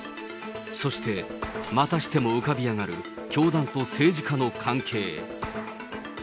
そしてまたしても浮かび上がる教団と政治家の関係。